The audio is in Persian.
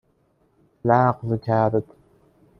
لغو کرد